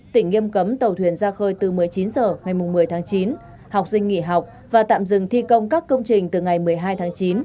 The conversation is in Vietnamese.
tỉnh nghiêm cấm tàu thuyền ra khơi từ một mươi chín h ngày một mươi tháng chín học sinh nghỉ học và tạm dừng thi công các công trình từ ngày một mươi hai tháng chín